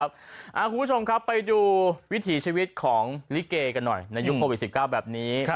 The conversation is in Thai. คุณผู้ชมครับไปดูวิถีชีวิตของลิเกกันหน่อยในยุคโควิด๑๙แบบนี้